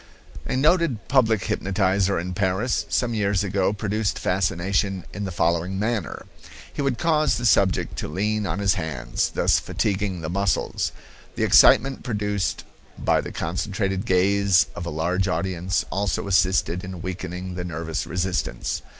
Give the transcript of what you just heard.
A noted public hypnotizer in Paris some years ago produced fascination in the following manner: He would cause the subject to lean on his hands, thus fatiguing the muscles. The excitement produced by the concentrated gaze of a large audience also assisted in weakening the nervous resistance.